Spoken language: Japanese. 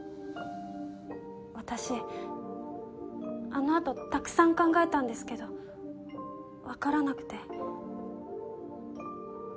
私あの後たくさん考えたんですけど分からなくて。